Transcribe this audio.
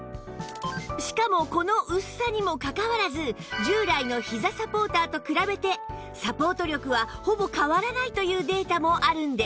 しかもこの薄さにもかかわらず従来のひざサポーターと比べてサポート力はほぼ変わらないというデータもあるんです